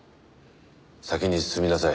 先に進みなさい。